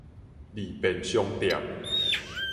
利便商店